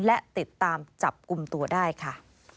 และติดตามจับกลุ่มตัวได้ค่ะ